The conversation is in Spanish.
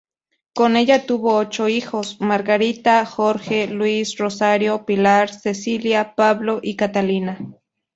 Con ella tuvo ocho hijos: Margarita, Jorge, Luis, Rosario, Pilar, Cecilia, Pablo y Catalina.